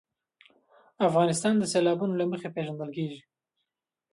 افغانستان د سیلابونه له مخې پېژندل کېږي.